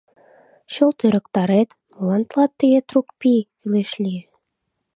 Чылт ӧрыктарет, молан тылат тыге трук пий кӱлеш лие?